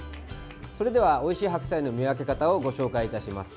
それではおいしい白菜の見分け方をご紹介いたします。